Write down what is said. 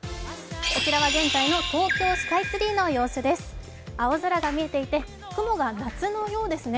こちらは現在の東京スカイツリーの様子です、青空が見えていて雲が夏のようですね。